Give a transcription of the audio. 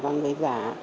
và người giả